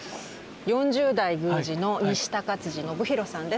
４０代宮司の西高信宏さんです。